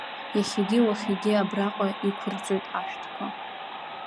Иахьагьы-уахагьы абраҟа иқәырҵоит ашәҭқәа.